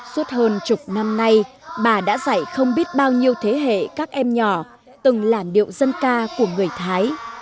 suốt hơn chục năm nay bà đã dạy không biết bao nhiêu thế hệ các em nhỏ từng làn điệu dân ca của người thái